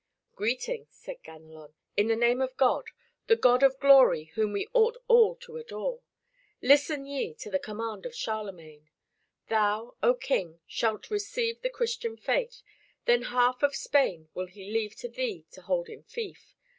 "Greeting," said Ganelon, "in the name of God the God of glory whom we ought all to adore. Listen ye to the command of Charlemagne: Thou, O King, shalt receive the Christian faith, then half of Spain will he leave to thee to hold in fief.